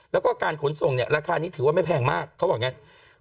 แล้วก็การขนส่งเนี่ยราคานี้ถือว่าไม่แพงมากเขาบอกอย่างนี้